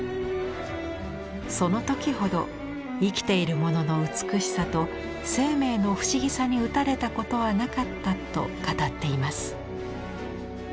その時ほど生きているものの美しさと生命の不思議さに打たれたことはなかったと語っています。